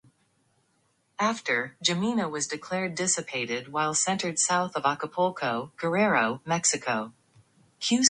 Shortly thereafter, Jimena was declared dissipated while centered south of Acapulco, Guerrero, Mexico.